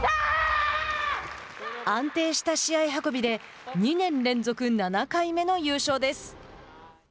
安定した試合運びで２年連続７回目の優勝です。